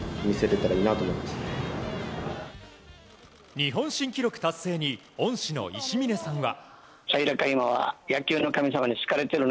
日本新記録達成に恩師の伊志嶺さんは。